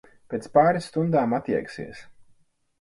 Pēc pāris stundām atjēgsies.